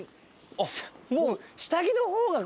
あっもう。